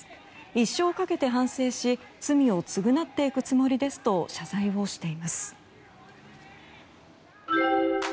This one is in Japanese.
一生かけて反省し罪を償っていくつもりですと謝罪をしています。